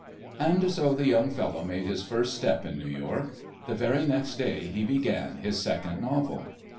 And so the young fellow made his first step in New York. The very next day he began his second novel.